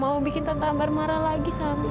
mila gak mau bikin tante amber marah lagi sama mila